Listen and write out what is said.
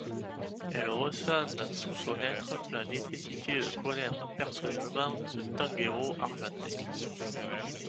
Elle ressent dans tout son être la nécessité de connaitre personnellement ce tanguero Argentin.